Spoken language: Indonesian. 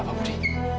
apa bu de